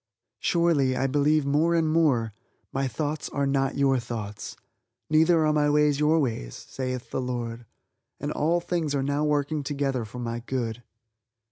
Surely I believe more and more: "My thoughts are not your thoughts, neither are my ways your ways, saith the Lord," and all things are now working together for my good.